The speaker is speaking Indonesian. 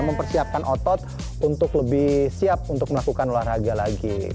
mempersiapkan otot untuk lebih siap untuk melakukan olahraga lagi